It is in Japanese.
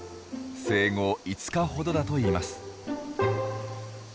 生後５日ほどだといいます。